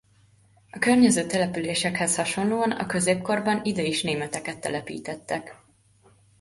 A környező településekhez hasonlóan a középkorban ide is németeket telepítettek.